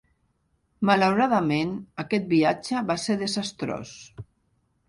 Malauradament, aquest viatge va ser desastrós.